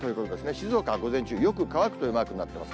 静岡は午前中、よく乾くというマークになってます。